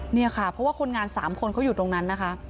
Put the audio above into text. นี่ค่ะเพราะว่าคนงาน๓คนเขาอยู่ตรงนั้นนะคะ